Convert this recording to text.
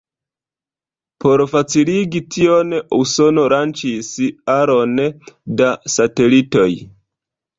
Por faciligi tion, Usono lanĉis aron da satelitoj.